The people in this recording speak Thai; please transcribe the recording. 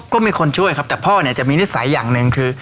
ก็มีคนช่วยครับแต่พ่อเนี่ยจะมีนิสัยอย่างหนึ่งคือ